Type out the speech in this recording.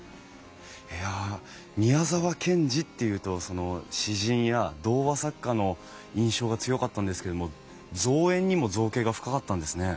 いや宮沢賢治っていうと詩人や童話作家の印象が強かったんですけれども造園にも造詣が深かったんですね。